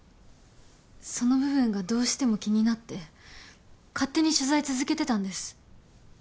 その部分がどうしても気になって勝手に取材続けてたんです